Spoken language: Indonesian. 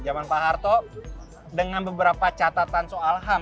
zaman pak harto dengan beberapa catatan soal ham